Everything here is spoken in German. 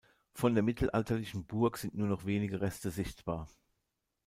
Von der mittelalterlichen Burg sind nur noch wenige Reste sichtbar.